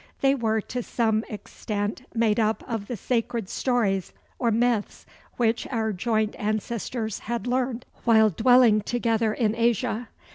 They were to some extent made up of the sacred stories or myths which our joint ancestors had learned while dwelling together in Asia.